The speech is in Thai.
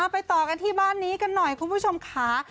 ไปต่อกันที่บ้านนี้กันหน่อยคุณผู้ชมค่ะ